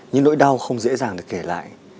những nỗi đau không dễ dàng được kể lại